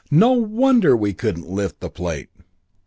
No wonder we couldn't lift the plate!"